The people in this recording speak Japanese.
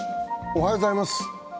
おはようございます。